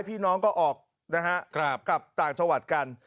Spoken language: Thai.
พี่น้องก็ออกนะฮะกลับต่างจังหวัดกัน